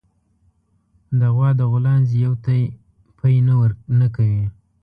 د غوا د غولانځې يو تی پئ نه کوي